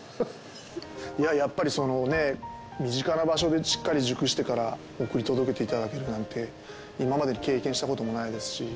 いややっぱりそのね身近な場所でしっかり熟してから送り届けて頂けるなんて今まで経験した事もないですし。